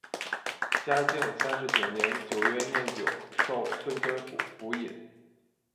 嘉靖三十九年九月廿九授顺天府府尹。